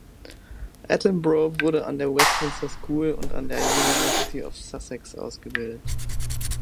Attenborough wurde an der Westminster School und an der University of Sussex ausgebildet.